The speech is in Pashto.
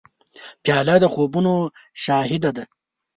پیاله د خوبونو شاهد ده.